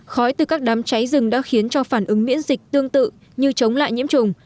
khói từ các đám cháy rừng đã khiến cho phản ứng miễn dịch tương tự như chống lại nhiễm trùng